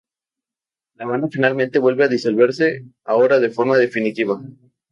La banda finalmente, vuelve a disolverse, ahora de forma definitiva.